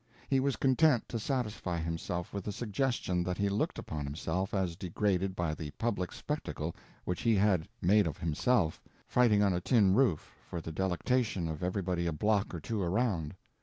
He was content to satisfy himself with the suggestion that he looked upon himself as degraded by the public spectacle which he had made of himself, fighting on a tin roof, for the delectation of everybody a block or two around.